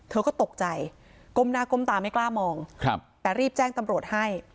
เธอก็ตกใจก้มหน้าก้มตาไม่กล้ามองครับแต่รีบแจ้งตำรวจให้